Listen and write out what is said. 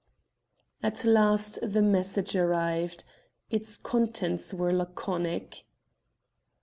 At last the message arrived. Its contents were laconic.